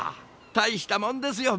大したもんですよ